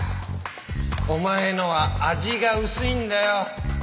お前のは味が薄いんだよ。